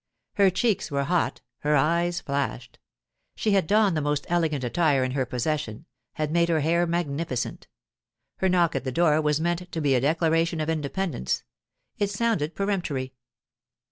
Her cheeks were hot; her eyes flashed. She had donned the most elegant attire in her possession, had made her hair magnificent. Her knock at the door was meant to be a declaration of independence; it sounded peremptory.